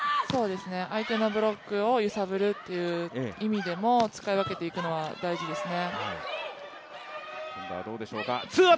相手のブロックを揺さぶるという意味でも使い分けていくのは大事ですね。